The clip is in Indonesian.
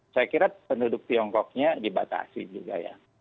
saya kira penduduk tiongkoknya dibatasi juga ya